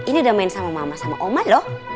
ini udah main sama mama sama oma loh